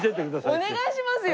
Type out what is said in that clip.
お願いしますよ。